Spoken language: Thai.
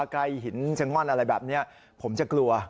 ใกล้หินชะง่อนอะไรแบบนี้ผมจะกลัว